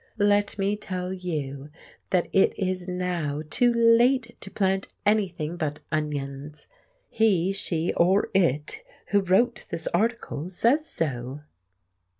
Let me tell you that it is now too late to plant anything but onions! He, she, or it, who wrote this article, says so."